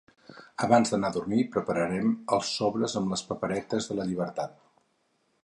Abans d’anar a dormir, prepararem els sobres amb les paperetes de la llibertat.